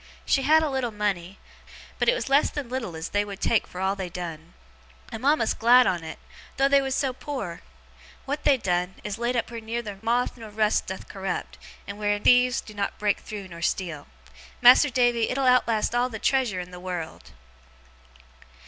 She had a little money, but it was less than little as they would take for all they done. I'm a'most glad on it, though they was so poor! What they done, is laid up wheer neither moth or rust doth corrupt, and wheer thieves do not break through nor steal. Mas'r Davy, it'll outlast all the treasure in the wureld.